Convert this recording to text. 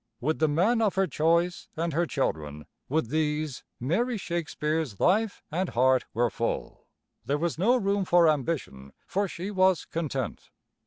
With the man of her choice, and her children with these Mary Shakespeare's life and heart were full. There was no room for ambition for she was content.